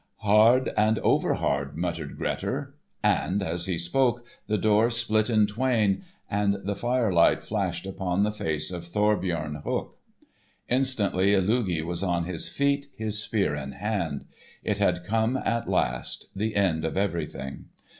"Hard and over hard," muttered Grettir, and as he spoke the door split in twain, and the firelight flashed upon the face of Thorbjorn Hook. Instantly Illugi was on his feet, his spear in hand. It had come at last, the end of everything.